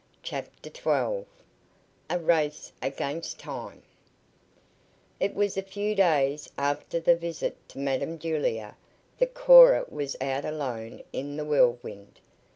CHAPTER XII A RACE AGAINST TIME It was a few days after the visit to Madam Julia that Cora was out alone in the Whirlwind.